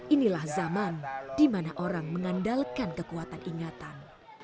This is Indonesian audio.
inilah zaman di mana orang mengandalkan kekuatan ingatan